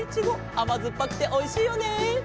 あまずっぱくておいしいよね。